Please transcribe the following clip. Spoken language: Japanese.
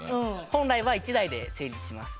本来は１台で成立します。